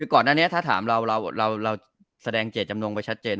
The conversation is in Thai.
คือก่อนอันนี้ถ้าถามเราเราแสดงเจตจำนงไปชัดเจน